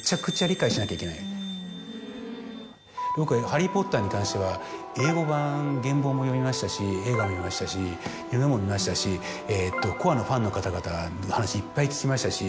『ハリー・ポッター』に関しては英語版原本も読みましたし映画も見ましたしいろんなものも見ましたしコアのファンの方々の話いっぱい聞きましたし。